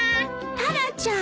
タラちゃん。